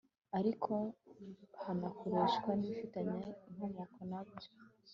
ariko hanakoreshwa n'ibifitanye inkomoko na byo